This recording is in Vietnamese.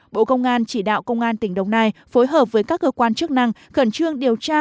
bộ công an chỉ đạo công an tỉnh đồng nai phối hợp với các cơ quan chức năng khẩn trương điều tra